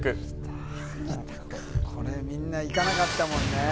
これみんないかなかったもんね